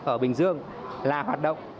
ở bình dương là hoạt động